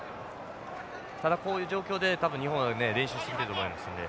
ただこういう状況で多分日本はね練習してきてると思いますので。